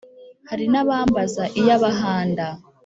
hari n ' abambaza iya bahanda ;